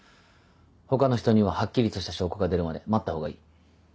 他の人にはハッキリとした証拠が出るまで待った方がいい。